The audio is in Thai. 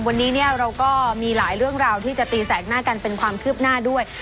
วันนี้เนี่ยเราก็มีหลายเรื่องราวที่จะตีแสกหน้ากันเป็นความคืบหน้าด้วย